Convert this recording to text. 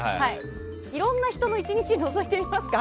いろんな人の１日をのぞいてみますか。